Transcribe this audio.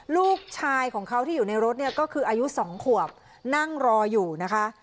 ลูกชายของเขาที่อยู่ในรถเนี่ยก็คืออายุ๒ขวบนั่งรออยู่นะคะ